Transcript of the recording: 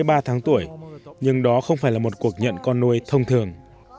con bé mới ba tháng tuổi nhưng đó không phải là một cuộc nhận con nuôi thông thường